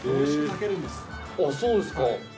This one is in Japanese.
あっそうですか。